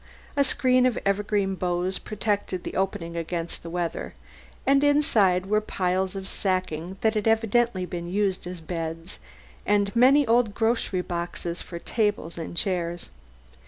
A screen of evergreen boughs protected the opening against the weather, and inside were piles of sacking that had evidently been used as beds, and many old grocery boxes for tables and chairs.